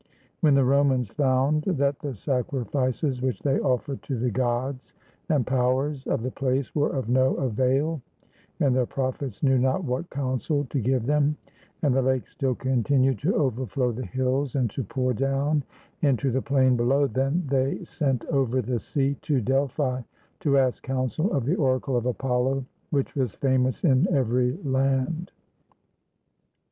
When the Romans found that the sacrifices which they offered to the gods and powers of the place were of no avail, and their prophets knew not what counsel to give them, and the lake still continued to overflow the hills and to pour down into the plain below, then they sent over the sea, to Delphi, to ask counsel of the oracle of Apollo, which was famous in every land.